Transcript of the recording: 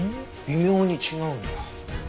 微妙に違うんだ。